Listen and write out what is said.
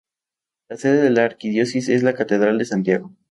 La sede de la Arquidiócesis es la Catedral de Santiago.